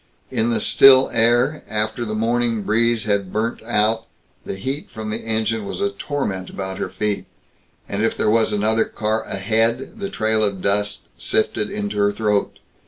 In the still air, after the morning breeze had been burnt out, the heat from the engine was a torment about her feet; and if there was another car ahead, the trail of dust sifted into her throat.